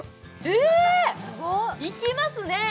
えーっいきますね！